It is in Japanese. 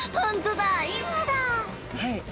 はい。